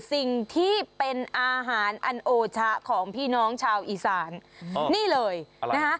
สิ่งที่เป็นอาหารอันโอชะของพี่น้องชาวอีสานนี่เลยนะฮะ